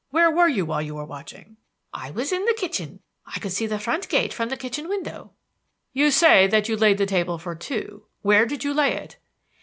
Where were you while you were watching?" "I was in the kitchen. I could see the front gate from the kitchen window." "You say that you laid the table for two. Where did you lay it?"